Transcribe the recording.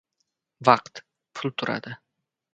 • Vaqt pul turadi.